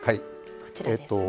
こちらですね。